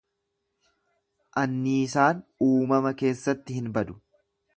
Anniisaan uumama keessatti hin badu.